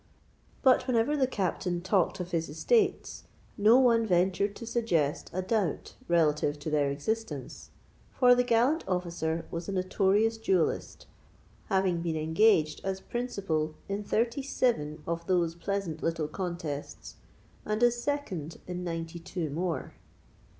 But whenever the Captain talked of his estates, no one ventured to suggest a doubt relative to their existence; for the gallant officer was a notorious duellist, having been engaged as principal in thirty seven of those pleasant little contests, and as second in ninety two more.